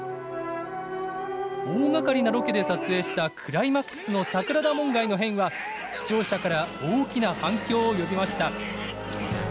大がかりなロケで撮影したクライマックスの桜田門外の変は視聴者から大きな反響を呼びました。